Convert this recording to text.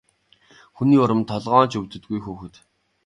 Хүний урманд толгой нь ч өвддөггүй хүүхэд.